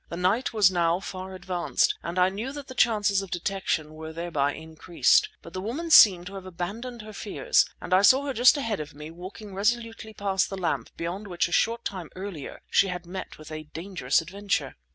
The night was now far advanced, and I knew that the chances of detection were thereby increased. But the woman seemed to have abandoned her fears, and I saw her just ahead of me walking resolutely past the lamp beyond which a short time earlier she had met with a dangerous adventure.